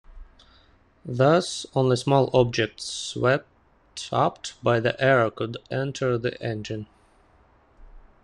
Thus, only small objects swept up by the air could enter the engine.